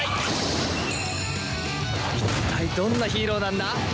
いったいどんなヒーローなんだ？